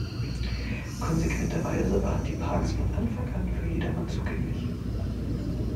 Konsequenterweise waren die Parks von Anfang an für jedermann zugänglich.